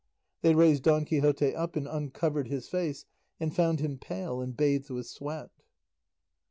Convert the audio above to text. They raised Don Quixote up and uncovered his face, and found him pale and bathed with sweat.